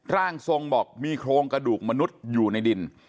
ร่างทรงบอกมีโครงกระดูกมนุษย์อยู่ในดิน